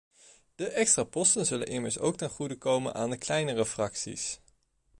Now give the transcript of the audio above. De extra posten zullen immers ook ten goede komen aan de kleine fracties.